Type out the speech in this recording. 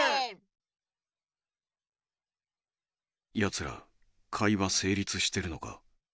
やつら会話せいりつしてるのか？